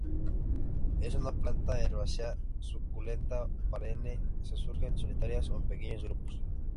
Es una planta herbácea suculenta perenne se surgen solitarias o en pequeños grupos.